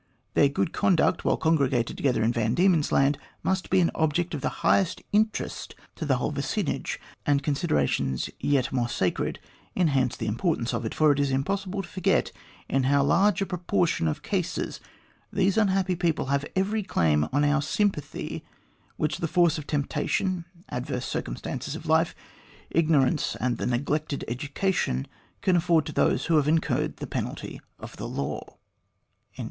Their good conduct, while congregated together in Van Diemen's Land, must also be an object of the highest interest to the whole vicinage. And considerations yet more sacred enhance the importance of it, for it is impossible to forget in how large a proportion of cases these unhappy people have every claim on our sympathy which the force of temptation, adverse circum stances of life, ignorance, and neglected education can afford to those who have incurred the penalty of the law."